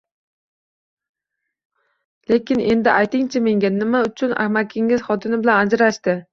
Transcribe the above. Lekin endi ayting-chi menga, nima uchun amakingiz xotini bilan ajrashdi